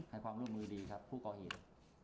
ให้ความร่วมมือดีครับผู้ก่อเหตุ